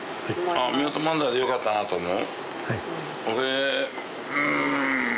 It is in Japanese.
めおと漫才でよかったなと思う？